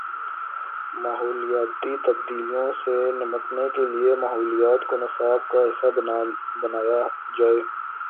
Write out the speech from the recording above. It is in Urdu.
ماحولیاتی تبدیلیوں سے نمٹنے کے لیے ماحولیات کو نصاب کا حصہ بنایا جائے۔